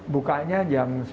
bukanya jam sepuluh tiga puluh